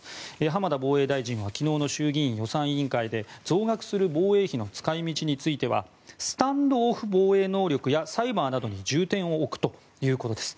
浜田防衛大臣は昨日の衆議院予算委員会で増額する防衛費の使い道についてはスタンドオフ防衛能力やサイバーなどに重点を置くということです。